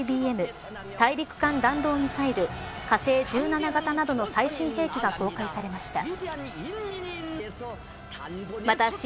大陸間弾道ミサイル火星１７型などの最新兵器が公開されました。